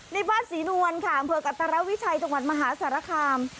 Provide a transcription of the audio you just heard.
ในบ้านศรีนวลค่ะอำเภอกัตรวิชัยจังหวัดมหาสารคาม